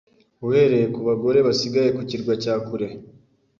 uhereye ku bagore basigaye ku kirwa cya kure